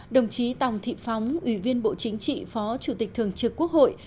đồng chí tòng thị phóng ủy viên bộ chính trị phó chủ tịch thường trực quốc hội